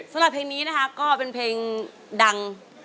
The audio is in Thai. สำหรับเพลงนี้นะคะก็เป็นเพลงดัง